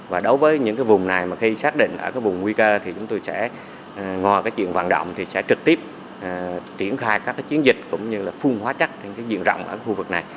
và đối với những vùng này mà khi xác định ở vùng nguy cơ thì chúng tôi sẽ ngòi chuyện vận động thì sẽ trực tiếp triển khai các chiến dịch cũng như phun hóa chắc trên diện rộng ở khu vực này